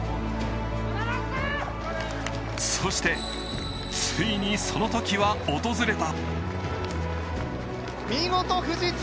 そして、ついにそのときは訪れた。